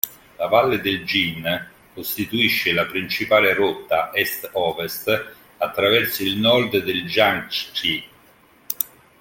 La valle del Jin costituisce la principale rotta est-ovest attraverso il nord del Jiangxi.